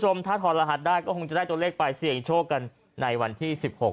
ถ้าถอดรหัสได้ก็คงจะได้ตัวเลขไปเสี่ยงโชคกันในวันที่สิบหก